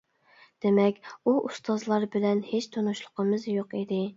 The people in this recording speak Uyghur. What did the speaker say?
دېمەك، ئۇ ئۇستازلار بىلەن ھېچ تونۇشلۇقىمىز يوق ئىدى.